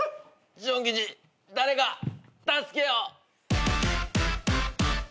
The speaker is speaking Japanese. ジュンキチ誰か助けを。